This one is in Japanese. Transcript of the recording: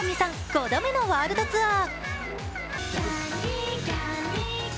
５度目のワールドツアー。